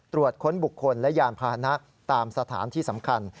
ตรวจค้นบุคคลและยานพาหนะตามสถานที่สำคัญ